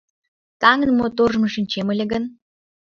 Таҥын моторжым шинчем ыле гын